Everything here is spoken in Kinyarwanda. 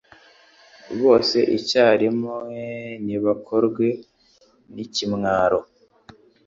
Bose icyarimwe nibakorwe n’ikimwaro